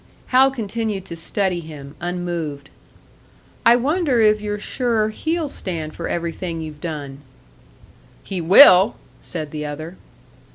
Hal continued to study him, unmoved. "I wonder if you're sure! He'll stand for everything you've done." "He will!" said the other.